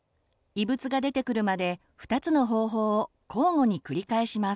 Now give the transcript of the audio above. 異物が出てくるまで２つの方法を交互に繰り返します。